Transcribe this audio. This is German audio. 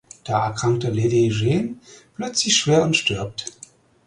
Da erkrankt Lady Jane plötzlich schwer und stirbt.